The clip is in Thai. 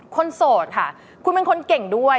โสดค่ะคุณเป็นคนเก่งด้วย